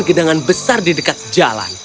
gedangan besar di dekat jalan